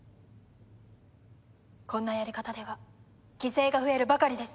こんなやり方では犠牲が増えるばかりです。